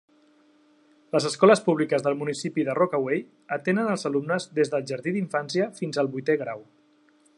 Les escoles públiques del municipi de Rockaway atenen els alumnes des del jardí d'infància fins al vuitè grau.